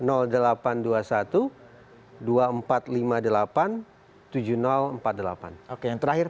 tujuh ribu empat puluh delapan oke yang terakhir